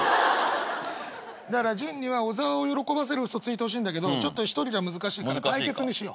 だから潤には小沢を喜ばせる嘘ついてほしいんだけど一人じゃ難しいから対決にしよう。